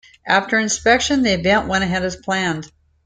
After inspection, the event went ahead as planned.